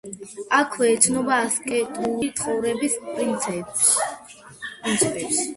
აქვე ეცნობა ასკეტური ცხოვრების პრინციპებს.